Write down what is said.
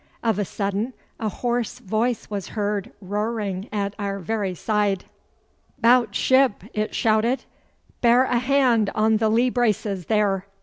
Of a sudden a hoarse voice was heard roaring at our very side. ''Bout ship!' it shouted. 'Bear a hand on the lee braces, there!